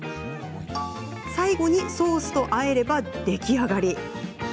最後にソースとあえれば出来上がり。